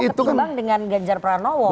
ketimbang dengan ganjar pranowo